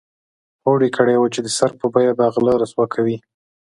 هوډ یې کړی و چې د سر په بیه به غله رسوا کوي.